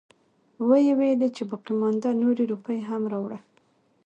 وويلې چې باقيمانده نورې روپۍ هم راوړه.